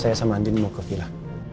saya sama andin mau ke villa